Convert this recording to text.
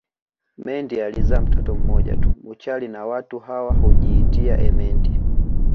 Mendi alizaa mtoto mmoja tu Munchari na watu hawa hujiitia emendi